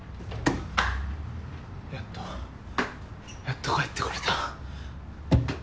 やっとやっと帰ってこれた。